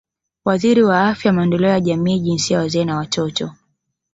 Waziri wa Afya Maendeleo ya Jamii Jinsia Wazee na Watoto